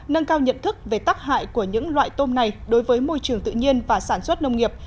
nâng cao nhận thức về tác hại của những loại tôm này đối với môi trường tự nhiên và sản xuất nông nghiệp